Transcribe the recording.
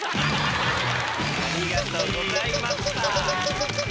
ありがとうございまスター。